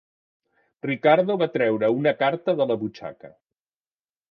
Ricardo va treure una carta de la butxaca.